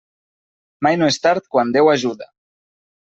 Mai no és tard quan Déu ajuda.